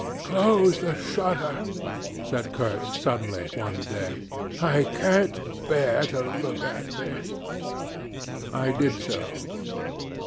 'Close the shutter,' said Kurtz suddenly one day; 'I can't bear to look at this.' I did so.